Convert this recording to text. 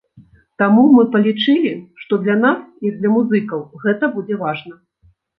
Таму мы палічылі, што для нас, як для музыкаў, гэта будзе важна.